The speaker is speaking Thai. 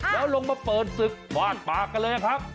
แล้วลงมาเปิดศึกฟาดปากกันเลยครับ